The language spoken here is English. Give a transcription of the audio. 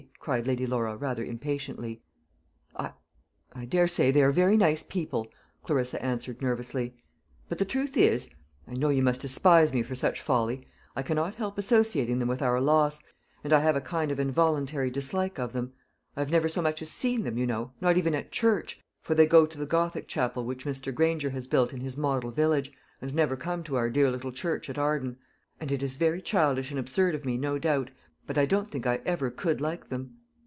cried Lady Laura, rather impatiently. "I I daresay they are very nice people," Clarissa answered, nervously. "But the truth is I know you must despise me for such folly I cannot help associating them with our loss, and I have a kind of involuntary dislike of them. I have never so much as seen them, you know not even at church; for they go to the gothic chapel which Mr. Granger has built in his model village, and never come to our dear little church at Arden; and it is very childish and absurd of me, no doubt, but I don't think I ever could like them."